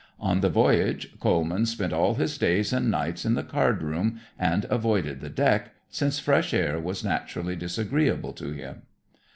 On the voyage Coleman spent all his days and nights in the card room and avoided the deck, since fresh air was naturally disagreeable to him.